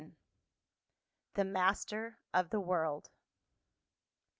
THE MASTER OF THE WORLD.